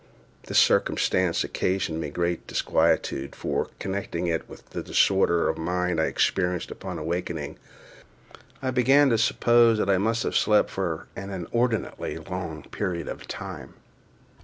This circumstance occasioned me great disquietude; for, connecting it with the disorder of mind I experienced upon awakening, I began to suppose that I must have slept for an inordinately long period of time.